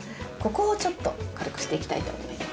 ここをちょっと軽くしていきたいと思います。